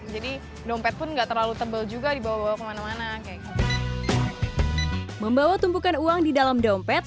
jadi dompet pun enggak terlalu tebel juga dibawa kemana mana membawa tumpukan uang di dalam dompet